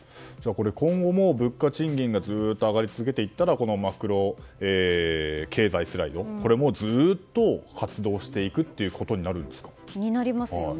今後も物価、賃金がずっと上がり続けていったらマクロ経済スライドもずっと発動していくということに気になりますよね。